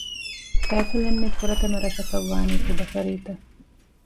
ސައިކަލެއް ނެތް ފުރަތަމަ ރަށަކަށް ވާނީ ކުޑަފަރީތަ؟